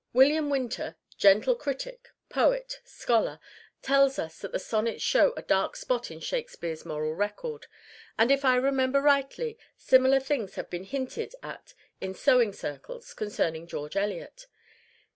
William Winter gentle critic, poet, scholar tells us that the Sonnets show a dark spot in Shakespeare's moral record. And if I remember rightly, similar things have been hinted at in sewing circles concerning George Eliot.